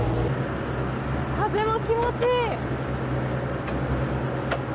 風も気持ちいい！